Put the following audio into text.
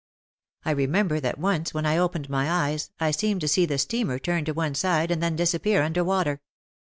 I remember that once when I opened my eyes I seemed to see the steamer turn to one side and then disappear under water.